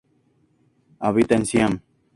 Habita en Siam.